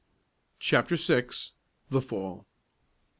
CHAPTER VI. THE FALL.